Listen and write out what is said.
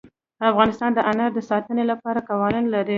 افغانستان د انار د ساتنې لپاره قوانین لري.